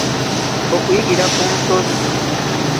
okuyigira ku nsobi